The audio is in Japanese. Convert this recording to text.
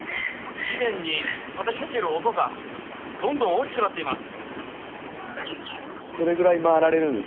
地面にたたきつける音がどんどん大きくなっています。